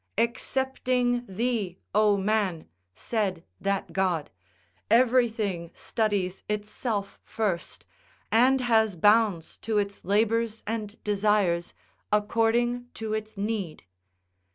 Excepting thee, O man, said that god, everything studies itself first, and has bounds to its labours and desires, according to its need.